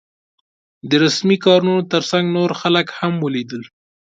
د رسمي کارونو تر څنګ نور خلک هم ولیدل.